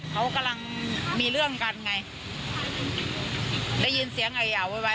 เขากำลังมีเรื่องกันไงได้ยินเสียงไอยาไว